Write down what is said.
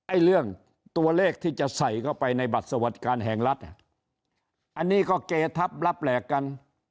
ไอ้เรื่องตัวเลขที่จะใส่เข้าไปในบัตรสวัสดิการแห่งรัฐอันนี้ก็เกทับรับแหลกกัน